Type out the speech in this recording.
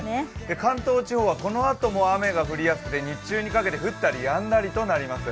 関東地方はこのあとも雨が降りやすくて日中にかけて降ったりやんだりとなります。